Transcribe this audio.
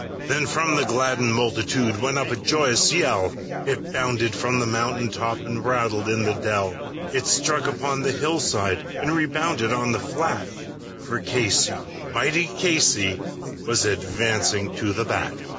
Then from the gladdened multitude went up a joyous yell, It bounded from the mountain top, and rattled in the dell, It struck upon the hillside, and rebounded on the flat; For Casey, mighty Casey, was advancing to the bat.